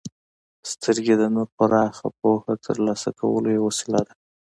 •سترګې د نور پراخه پوهه د ترلاسه کولو یوه وسیله ده.